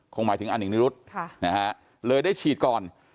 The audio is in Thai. หมายถึงอนิงนิรุธเลยได้ฉีดก่อน